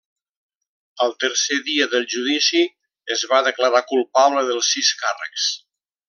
Al tercer dia del judici, es va declarar culpable dels sis càrrecs.